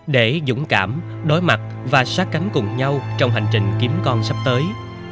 để dũng cảm đối mặt và sát cánh cùng nhau trong hành trình kiếm con sắp tới